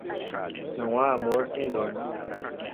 Não há amor sem dor.